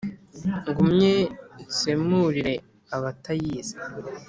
Ngumye nsemurire abatayizi